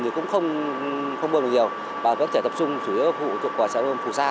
thì cũng không bơm được nhiều và vẫn phải tập trung chủ yếu hữu của trạm bơm phù sa